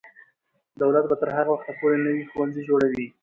دولت به تر هغه وخته پورې نوي ښوونځي جوړوي.